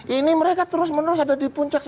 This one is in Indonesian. ini mereka terus menerus ada di puncak